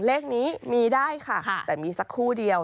เลขนี้มีได้ค่ะแต่มีสักคู่เดียว